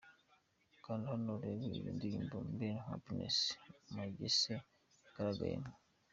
Kanda hano urebe iyo ndirimbo Millen Happiness Magese yagaragayemo.